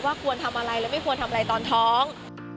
ควรทำอะไรและไม่ควรทำอะไรตอนท้อง